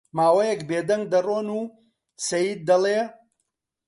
ماوەیەک بێ دەنگ دەڕۆن و سەید دەڵێ: